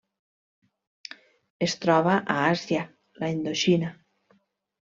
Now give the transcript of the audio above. Es troba a Àsia: la Indoxina.